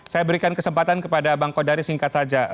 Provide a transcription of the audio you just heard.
saya berikan kesempatan kepada bang kodari singkat saja